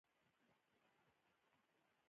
هغه اوغانیان له هغو سره بشپړ توپیر لري.